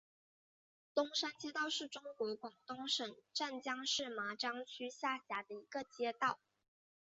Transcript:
东山街道是中国广东省湛江市麻章区下辖的一个街道。